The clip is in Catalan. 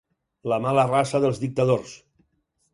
La mala raça dels dictadors.